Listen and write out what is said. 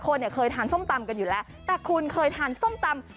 เนี่ยเคยทานส้มตำกันอยู่แล้วแต่คุณเคยทานส้มตำ